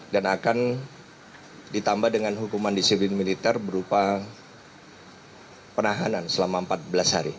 dan akan ditambah dengan hukuman disiplin militer berupa penahanan selama empat belas hari